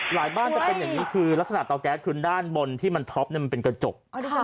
บ้านจะเป็นอย่างนี้คือลักษณะเตาแก๊สคือด้านบนที่มันท็อปมันเป็นกระจก